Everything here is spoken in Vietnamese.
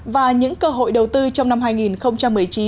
và những cơ hội đầu tư trong năm hai nghìn một mươi chín